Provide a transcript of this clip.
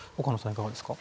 いかがですか？